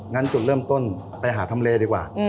งั้นจุดเริ่มต้นไปหาทำเลดีกว่า